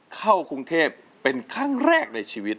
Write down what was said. เข้ากรุงเทพเป็นครั้งแรกในชีวิต